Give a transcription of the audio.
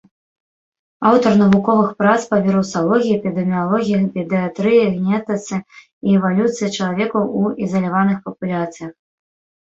Аўтар навуковых прац па вірусалогіі, эпідэміялогіі, педыятрыі, генетыцы і эвалюцыі чалавека ў ізаляваных папуляцыях.